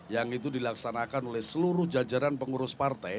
yang itu dilaksanakan oleh seluruh jajaran pengurus partai